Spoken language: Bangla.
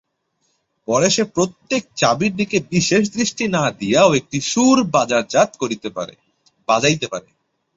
পরে সে প্রত্যেক চাবির দিকে বিশেষ দৃষ্টি না দিয়াও একটি সুর বাজাইতে পারে।